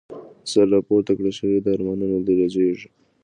سر راپورته کړه شهیده، ارمانونه دي رژیږی